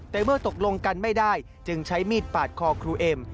แต่เมื่อตกลงกันไม่ได้จึงใช้มีดปาดคอครูเอ็ม